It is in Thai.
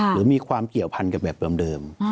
หรือมีความเกี่ยวพันกับแบบเดิม